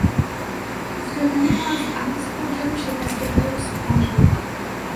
افتادن او از اسب موجب شکستگی استخوان شد.